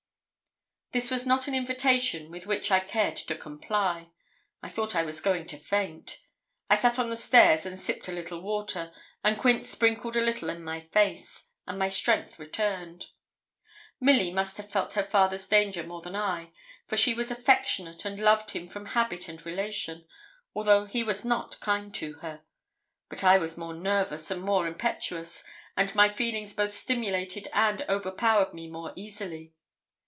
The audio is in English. This was not an invitation with which I cared to comply. I thought I was going to faint. I sat on the stairs and sipped a little water, and Quince sprinkled a little in my face, and my strength returned. Milly must have felt her father's danger more than I, for she was affectionate, and loved him from habit and relation, although he was not kind to her. But I was more nervous and more impetuous, and my feelings both stimulated and overpowered me more easily.